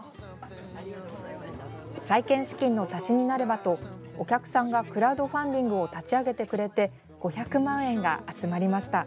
再建資金の足しになればとお客さんがクラウドファンディングを立ち上げてくれて５００万円が集まりました。